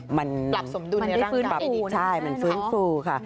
หลับสมดุลในร่างกายปรับใช่มันฟื้นฟูค่ะ